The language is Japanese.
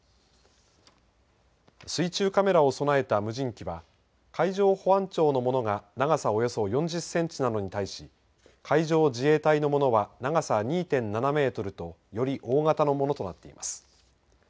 水中カメラを備えた無人機は海上保安庁のものが長さおよそ４０センチなのに対し海上自衛隊のものは長さ２．７メートルとより大型のものとなっています。